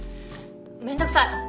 めんどくさい。